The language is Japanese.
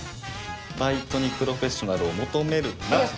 バイトにプロフェッショナルを求めるなと。